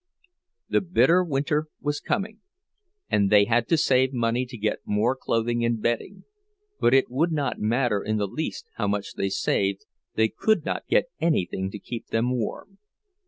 The bitter winter was coming, and they had to save money to get more clothing and bedding; but it would not matter in the least how much they saved, they could not get anything to keep them warm.